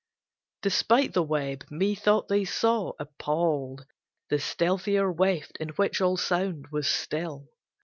Despite the web, methought they saw, appalled, The stealthier weft in which all sound was still